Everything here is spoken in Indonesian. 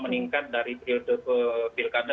meningkat dari periode pilkada